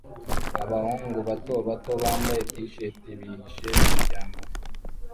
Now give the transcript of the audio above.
Abahungu bato bato bambaye t-shati bihishe mwishyamba